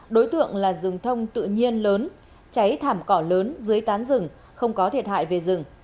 đối tượng là rừng thông tự nhiên lớn cháy thảm cỏ lớn dưới tán rừng không có thiệt hại về rừng